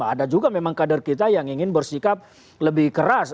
ada juga memang kader kita yang ingin bersikap lebih keras